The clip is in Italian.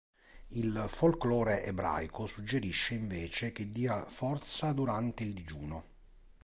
Il folklore ebraico suggerisce invece che dia forza durante il digiuno.